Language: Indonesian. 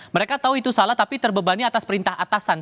mereka tahu itu salah tapi terbebani atas perintah atasan